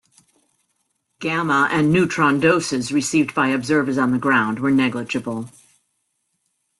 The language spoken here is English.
Gamma and neutron doses received by observers on the ground were negligible.